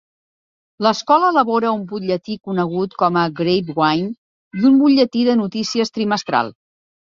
L'escola elabora un butlletí conegut com a 'Grapevine' i un butlletí de notícies trimestral.